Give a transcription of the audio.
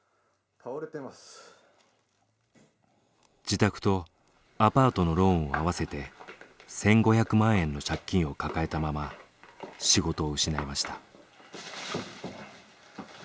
自宅とアパートのローンを合わせて１，５００万円の借金を抱えたまま仕事を失いました。